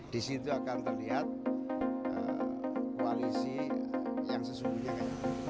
di situ akan terlihat koalisi yang sesungguhnya